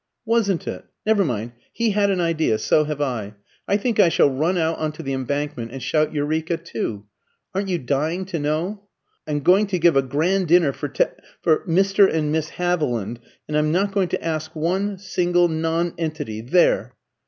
"Wasn't it? Never mind; he had an idea, so have I. I think I shall run out on to the Embankment and shout 'Eureka' too. Aren't you dying to know? I'm going to give a grand dinner for Te for Mr. and Miss Haviland; and I'm not going to ask one single nonentity, there!